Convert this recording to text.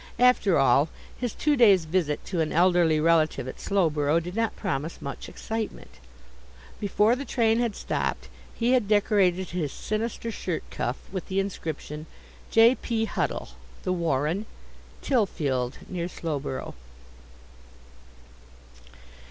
After all, his two days' visit to an elderly relative at Slowborough did not promise much excitement. Before the train had stopped he had decorated his sinister shirt cuff with the inscription, "J. P. Huddle, The Warren, Tilfield, near Slowborough."